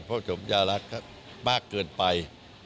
เพราะว่าสมยาลักษณ์ก็มากเกินไป